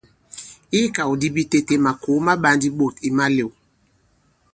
I ikàw di bitete makòo ma ɓā ndī ɓôt i malēw.